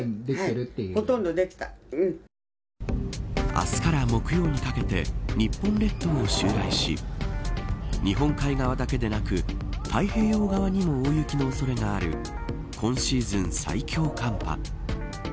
明日から木曜にかけて日本列島に襲来し日本海側だけでなく太平洋側にも大雪の恐れがある今シーズン最強寒波。